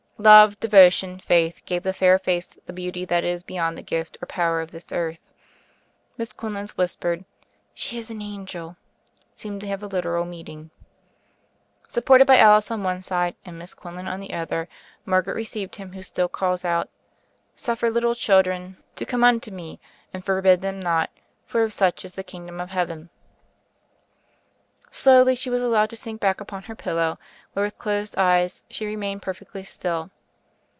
Love, devotion, faith, gave the fair face the beauty that is beyond the gift or power of this earth. Miss Quinlan's whis pered "She is an angel," seemed to have a literal meaning. Supported by Alice on one side, and Miss Quinlan on the other, Margaret received Him who still calls out — "Suffer little children to io8 THE FAIRY OF THE SNOWS come unto Me, and forbid them not ; for of such iS the Kingdom of Heaven." Slowly she was allowed to sink back upon her pillow, where, with closed eyes, she remained perfectly still.